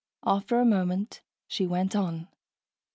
After a moment, she went on.